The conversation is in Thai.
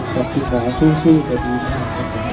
แบบที่หมอซู่ซู่จะดูฉัน